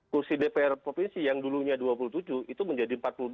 kursi dpr provinsi yang dulunya dua puluh tujuh itu menjadi empat puluh dua